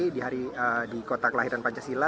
di kota kelahiran pancasila